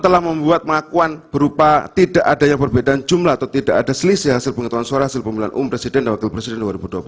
telah membuat pengakuan berupa tidak adanya perbedaan jumlah atau tidak ada selisih hasil pengetahuan suara hasil pemilihan umum presiden dan wakil presiden dua ribu dua puluh empat